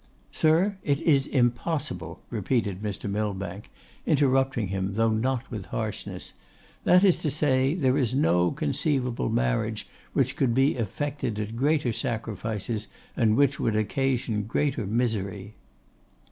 'Sir, it is impossible,' repeated Mr. Millbank, interrupting him, though not with harshness; 'that is to say, there is no conceivable marriage which could be effected at greater sacrifices, and which would occasion greater misery.